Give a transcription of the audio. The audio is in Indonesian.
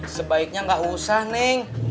sebaiknya gak usah neng